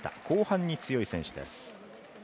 後半に強い選手です。